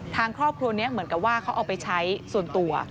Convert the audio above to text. ทางครอบครัวนี้เหมือนกับว่าเขาเอาไปใช้ส่วนตัว